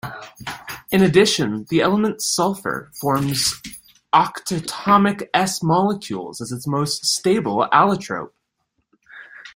In addition, the element sulfur forms octatomic S molecules as its most stable allotrope.